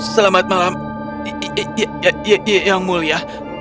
selamat malam yang mulia